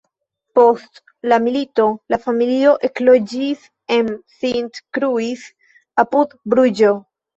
Post la milito la familio ekloĝis en Sint-Kruis, apud Bruĝo.